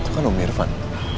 itu kan om irfan